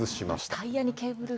タイヤにケーブルが。